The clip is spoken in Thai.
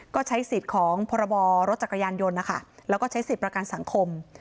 ก็ใช้สิทธิ์ของพรบรถจักรยานยนต์นะคะแล้วก็ใช้สิทธิ์ประกันสังคม